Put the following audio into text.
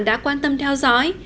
đã quan tâm theo dõi